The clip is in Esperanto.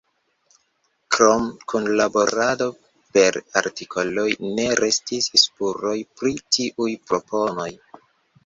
Krom kunlaborado per artikoloj, ne restis spuroj pri tiuj proponoj.